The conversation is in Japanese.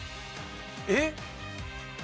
えっ。